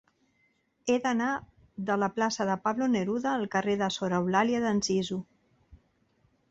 He d'anar de la plaça de Pablo Neruda al carrer de Sor Eulàlia d'Anzizu.